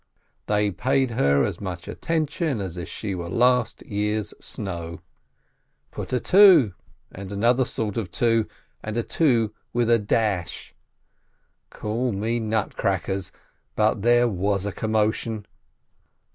They paid her as much attention as if she were last year's snow, put a two, and another sort of two, and a two with a dash! Call me nut crackers, but there was a commotion.